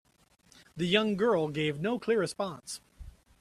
The young girl gave no clear response.